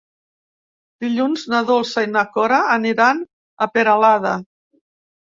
Dilluns na Dolça i na Cora aniran a Peralada.